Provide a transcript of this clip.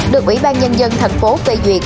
được ủy ban nhân dân thành phố tây duyệt